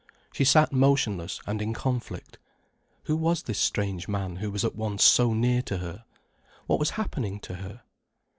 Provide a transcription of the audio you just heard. She sat motionless and in conflict. Who was this strange man who was at once so near to her? What was happening to her?